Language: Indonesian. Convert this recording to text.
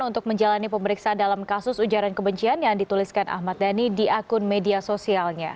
untuk menjalani pemeriksaan dalam kasus ujaran kebencian yang dituliskan ahmad dhani di akun media sosialnya